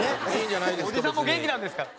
おじさんも元気なんですから。